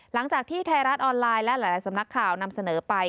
หลังจากที่ไทยรัฐออนไลน์และหลายสำนักข่าวนำเสนอไป